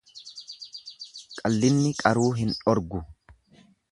Qallinni qaruu hin dhorgu.